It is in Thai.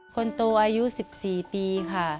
คนโตอายุ๑๔ปีค่ะ